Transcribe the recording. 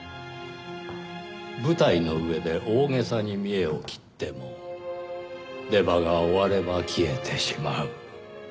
「舞台の上で大げさに見得を切っても出場が終われば消えてしまう」。